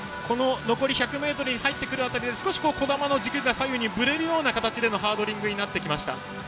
残り１００ｍに入る辺りで少し児玉の軸が左右にぶれるような形でのハードリングになってきました。